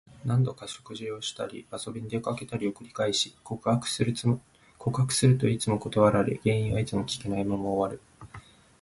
何度か食事をしたり、遊びに出かけたりを繰り返し、告白するといつも断られ、原因はいつも聞けないまま終わる。